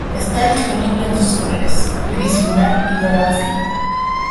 Esta disponible en dos colores, gris lunar y dorado fino.